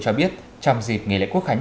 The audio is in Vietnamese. cho biết trong dịp nghề lễ quốc khánh